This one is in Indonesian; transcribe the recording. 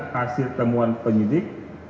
hasil temuan penyidik